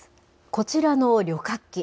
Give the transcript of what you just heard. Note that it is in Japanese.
こちらの旅客機。